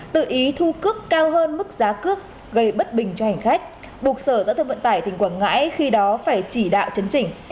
tự ý thu cước cao hơn mức giá cước gây bất bình cho hành khách buộc sở giao thông vận tải tỉnh quảng ngãi khi đó phải chỉ đạo chấn chỉnh